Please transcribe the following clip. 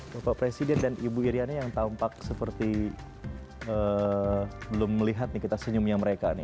bapak presiden dan ibu iryana yang tampak seperti belum melihat nih kita senyumnya mereka nih